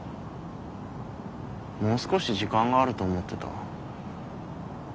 もう少し時間があると思ってた。